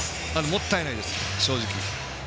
もったいないです、正直。